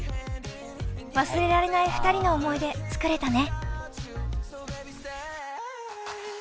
忘れられない２人の思い出作れたね。